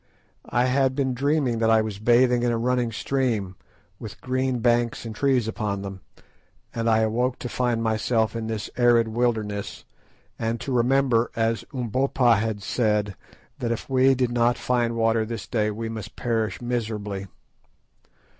I had been dreaming that I was bathing in a running stream, with green banks and trees upon them, and I awoke to find myself in this arid wilderness, and to remember, as Umbopa had said, that if we did not find water this day we must perish miserably.